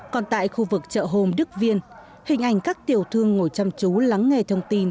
còn tại khu vực chợ hồn đức viên hình ảnh các tiểu thương ngồi chăm chú lắng nghe thông tin